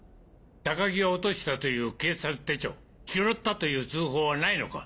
高木が落としたという警察手帳拾ったという通報はないのか？